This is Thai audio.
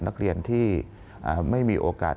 นักเรียนที่ไม่มีโอกาส